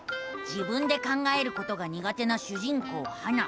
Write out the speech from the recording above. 自分で考えることがにが手な主人公ハナ。